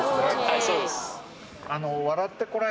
はいそうです。